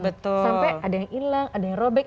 sampai ada yang ilang ada yang robek